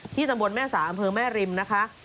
ตำบลแม่สาอำเภอแม่ริมนะคะ